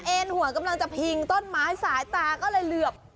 เอ็นหัวกำลังจะพิงต้นไม้สายตาก็เลยเหลือบ